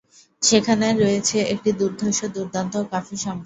সেখানে রয়েছে একটি দুর্ধর্ষ, দুর্দান্ত ও কাফির সম্প্রদায়।